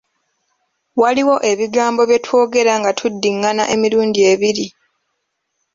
Waliwo ebigambo bye twogera nga tuddingana emirundi ebiri.